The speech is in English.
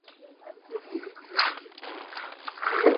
Galley and Holland added a bass player and a second guitarist.